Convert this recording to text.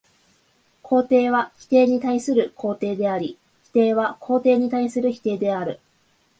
肯定は否定に対する肯定であり、否定は肯定に対する否定である。